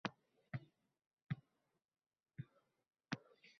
Dardlarini kulgi ortiga yashirgan ulkan qalb sohibi